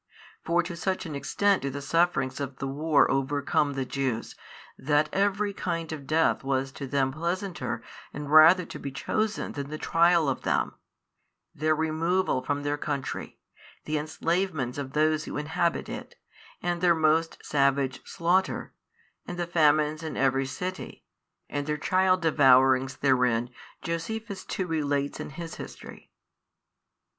For to such an extent do the sufferings of the war overcome the Jews, that every kind of death was to them pleasanter and rather to be chosen than the trial of them: their removal from their country, the enslavements of those who inhabit it and their most savage slaughter and the famines in every city and their child devourings therein Josephus too relates in his history.